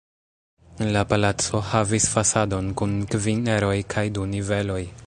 La palaco havis fasadon kun kvin eroj kaj du niveloj.